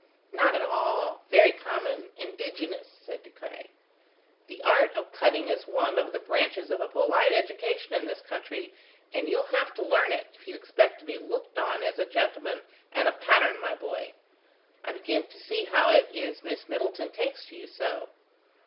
"Not at all; very common; indigenous," said De Craye. "The art of cutting is one of the branches of a polite education in this country, and you'll have to learn it, if you expect to be looked on as a gentleman and a Patterne, my boy. I begin to see how it is Miss Middleton takes to you so.